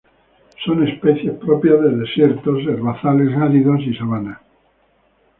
Son especies propias de desiertos, herbazales áridos y sabanas.